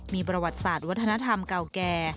มีประวัติศาสตร์วัฒนธรรมเก่าแก่